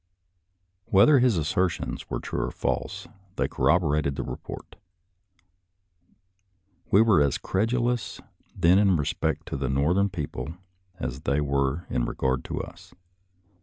Whether his assertions were true or false, they corroborated the report We were as credulous then in respect to the Northern people as they were with regard to us.